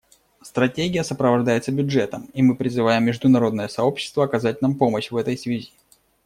Стратегия сопровождается бюджетом, и мы призываем международное сообщество оказать нам помощь в этой связи.